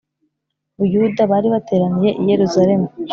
Buyuda bari bateraniye iyeruzaremu